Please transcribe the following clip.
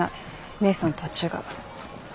姉さんとは違う。